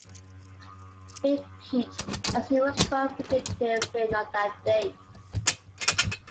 "Big Pete," as he was called, predicted rain on that date.